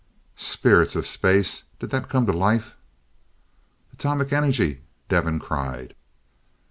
"Spirits of Space! Did that come to life!" "Atomic Energy!" Devin cried.